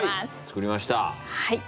作りました。